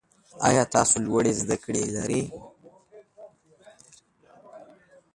ایا تاسو لوړې زده کړې لرئ؟